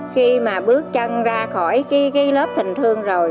khi mà bước chân ra khỏi cái lớp tình thương rồi